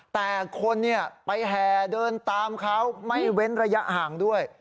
แต่คนไปแห่เดินตามเขาไม่เว้นระยะห่างด้วย